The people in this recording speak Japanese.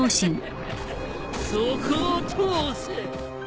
そこを通せ！